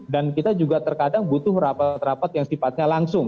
dan kita juga terkadang butuh rapat rapat yang sifatnya langsung